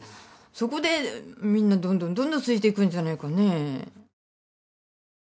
そこでみんなどんどんどんどんついてくんじゃないかね。